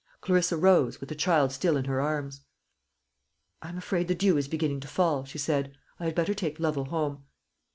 Clarissa rose, with the child still in her arms. "I am afraid the dew is beginning to fall," she said; "I had better take Lovel home."